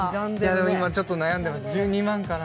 今ちょっと悩んでます。